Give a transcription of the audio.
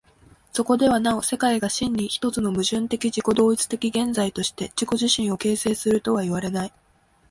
そこではなお世界が真に一つの矛盾的自己同一的現在として自己自身を形成するとはいわれない。